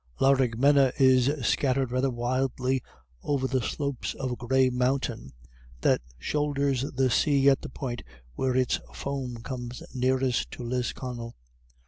Laraghmena is scattered rather wildly over the slopes of a grey mountain that shoulders the sea at the point where its foam comes nearest to Lisconnel.